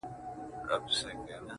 هغه اوس اوړي غرونه غرونه پـــرېږدي-